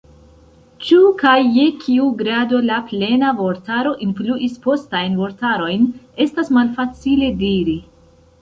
Ĉu kaj je kiu grado la "Plena Vortaro" influis postajn vortarojn, estas malfacile diri.